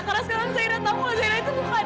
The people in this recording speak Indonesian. karena sekarang zaira tau lah zaira itu bukan